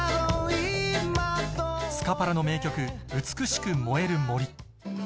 スカパラの名曲、美しく燃える森。